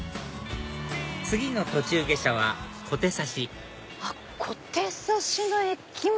次の途中下車は小手指小手指の駅前